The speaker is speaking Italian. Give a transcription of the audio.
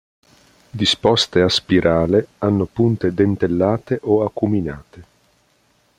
Disposte a spirale, hanno punte dentellate o acuminate.